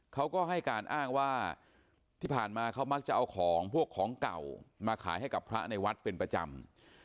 เขาก็ให้การอ้างว่าที่ผ่านมาเขามักจะเอาของพวกของเก่ามาขายให้กับพระในวัดเป็นประจำ